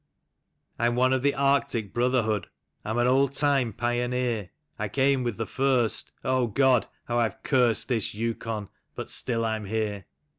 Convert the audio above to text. ^' Vm. one of the Arctic brotherhood, I'm an old time pioneer. I came with the first — God ! how I've cursed this Yukon — but still I'm here.